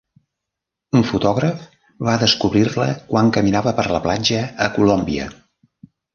Un fotògraf va descobrir-la quan caminava per la platja a Colòmbia.